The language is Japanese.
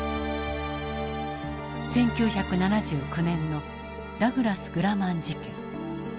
１９７９年のダグラス・グラマン事件。